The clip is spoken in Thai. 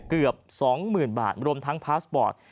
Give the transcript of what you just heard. เกือบ๒๐๐๐บาทรวมทั้งพาสปอร์ต